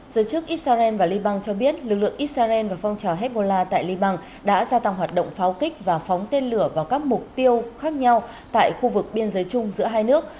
giới chức israel và libang cho biết lực lượng israel và phong trào hezbollah tại liban đã gia tăng hoạt động pháo kích và phóng tên lửa vào các mục tiêu khác nhau tại khu vực biên giới chung giữa hai nước